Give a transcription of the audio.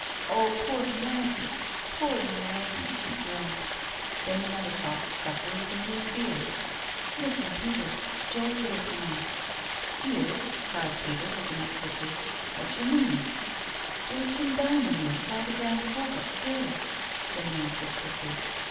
" Oh, poor Maggie—poor Maggie/' she groaned. Then another thought struck her with a new fear :" Listen, Peter — Joe's here to night." •• 'Ere?" cried Peter, looking up quickly, "wotcher mean?" " Joe's been dining here with all the grand folk up stairs," Jenny answered quickly.